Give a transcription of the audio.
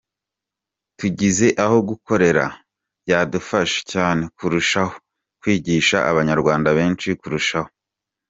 Tugize aho gukorera byadufasha cyane kurushaho kwigisha Abanyarwanda benshi kurushaho.